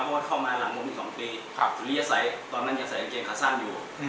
เพราะเข้ามาหลังวันปี๒ปีตอนนั้นจะใส่อาเกณฑ์ขาซ่านอยู่